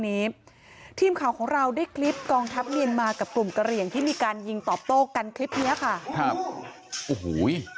นี้ทีมข่าวของเราได้คลิปกองทัพเมียนมากับกลุ่มกระเหลี่ยงที่มีการยิงตอบโต้กันคลิปเนี้ยค่ะครับโอ้โห